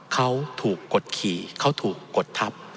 เขาถูกกดขี่เขาถูกกดทับ